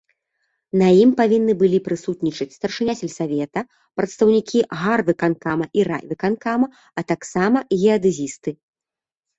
На ім павінны былі прысутнічаць старшыня сельсавета, прадстаўнікі гарвыканкама і райвыканкама, а таксама геадэзісты.